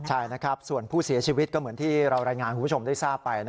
ใช่นะครับส่วนผู้เสียชีวิตก็เหมือนที่เรารายงานคุณผู้ชมได้ทราบไป